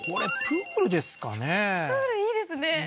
プールいいですね